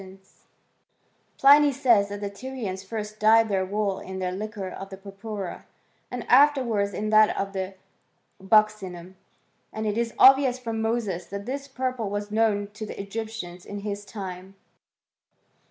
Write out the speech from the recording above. "* Pliny says that the Tyrians first dyed their wool in the liquor of the purpura, and afterwards in that of the buccinum ; and it is obvious from Moses that this purple was known to the Egyptians in his time.